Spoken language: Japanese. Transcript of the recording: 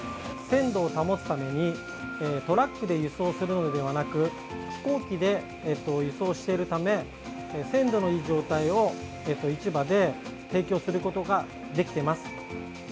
鮮度を保つためにトラックで輸送するのではなく飛行機で輸送しているため鮮度のいい状態を市場で提供することができてます。